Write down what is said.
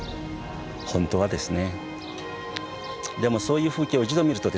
本当はですね。